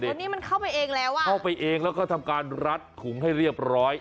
เดี๋ยวนี้มันเข้าไปเองแล้วอ่ะเข้าไปเองแล้วก็ทำการรัดถุงให้เรียบร้อย